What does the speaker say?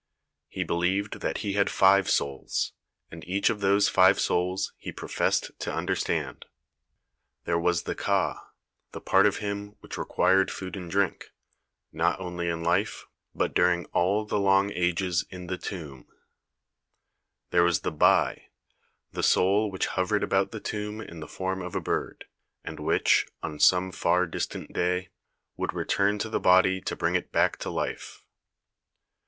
He believed that he had five souls, and each of those five souls he professed to under stand. There was the ka, the part of him which required food and drink, not only in life, but during all the long ages in the tomb. There was the bat, the soul which hovered about the tomb in the form of a bird, and which, on some far distant day, would return to the body to bring it back to life.